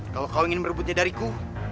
kalau kau ingin merebutnya dariku